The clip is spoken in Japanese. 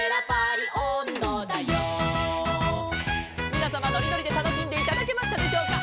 「みなさまのりのりでたのしんでいただけましたでしょうか」